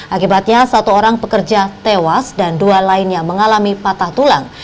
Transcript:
akibatnya satu orang pekerja tewas dan dua lainnya mengalami patah tulang